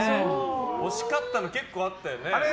惜しかったの結構あったよね。